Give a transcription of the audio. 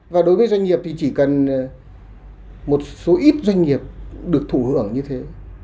và đối với doanh nghiệp thì chỉ cần một số ít doanh nghiệp được thủ hưởng như thế